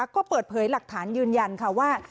ก็เปิดเผยหลักฐานยืนยันค่ะว่า